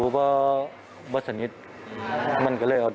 เคยกัลต์คนเหรอ